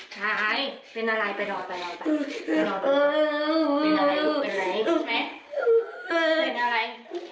ค่ะปล่อยนอนไปเป็นอะไรลูกเป็นไรพี่รู้มั้ย